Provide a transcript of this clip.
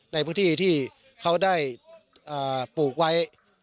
ในพื้นที่ที่เขาได้ปลูกไว้